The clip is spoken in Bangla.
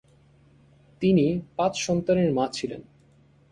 তিনি পাঁচ সন্তানের মা ছিলেন।